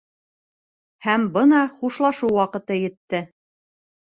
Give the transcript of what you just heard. Һәм бына хушлашыу ваҡыты етте.